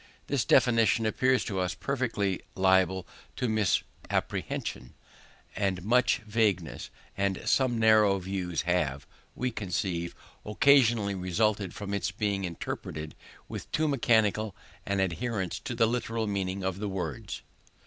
This definition appears to us peculiarly liable to misapprehension; and much vagueness and some narrow views have, we conceive, occasionally resulted from its being interpreted with too mechanical an adherence to the literal meaning of the words.